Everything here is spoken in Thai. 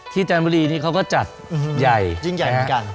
จันทบุรีนี่เขาก็จัดใหญ่ยิ่งใหญ่เหมือนกัน